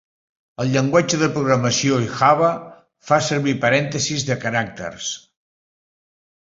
El llenguatge de programació Java fa servir parèntesis de caràcters.